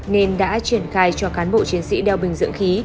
nên đã triển khai cho cán bộ chiến sĩ đeo bình dưỡng khí